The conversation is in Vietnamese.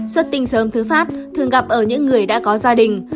xuất tinh sớm thứ phát thường gặp ở những người đã có gia đình